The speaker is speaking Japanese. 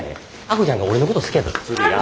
亜子ちゃんが俺のこと好きやったとするやん。